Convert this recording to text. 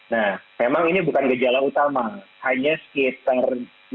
nah memang ini bukan hal yang terjadi secara akut atau menggagal